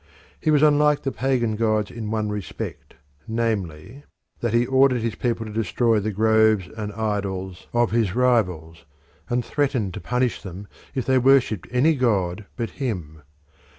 He was unlike the pagan gods in one respect, namely, that he ordered his people to destroy the groves and idols of his rivals, and threatened to punish them if they worshipped any god but him.